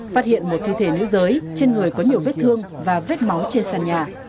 phát hiện một thi thể nữ giới trên người có nhiều vết thương và vết máu trên sàn nhà